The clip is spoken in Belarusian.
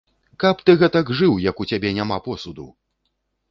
Каб ты гэтак жыў, як у цябе няма посуду!